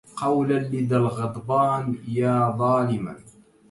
قولا لذا الغضبان يا ظالما